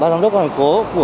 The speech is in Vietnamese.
bác giám đốc thành phố của